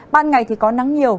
ban ngày có nắng nhiều